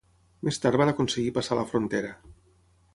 Més tard van aconseguir passar la frontera.